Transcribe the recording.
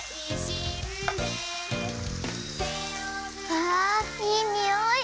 わあいいにおい。